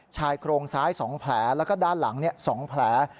ชายโครงซ้าย๒แผลแล้วก็ด้านหลัง๒แผล